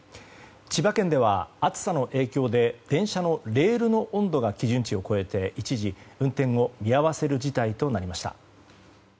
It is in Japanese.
千葉県では暑さの影響で電車のレールの温度が基準値を超えて一時運転を見合わせる事態となりました。